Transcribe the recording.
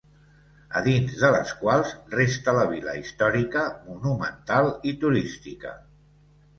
A dins de les quals resta la vila històrica, monumental i turística.